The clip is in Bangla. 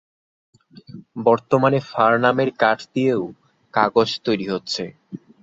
বর্তমানে ফার নামের কাঠ দিয়েও কাগজ তৈরি হচ্ছে।